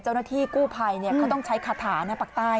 เจ้าหน้าที่กู้ไผ่เนี่ยเขาต้องใช้ขาถาในฝั่งใต้อ้ะ